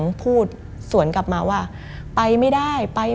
มันกลายเป็นรูปของคนที่กำลังขโมยคิ้วแล้วก็ร้องไห้อยู่